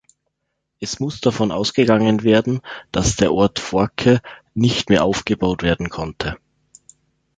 Es muss davon ausgegangen werden, dass der Ort Forke nicht mehr aufgebaut werden konnte.